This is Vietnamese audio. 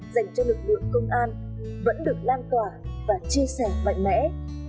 dành cho lực lượng công an vẫn được lan tỏa và chia sẻ mạnh mẽ